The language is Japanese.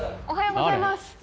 おはようございます。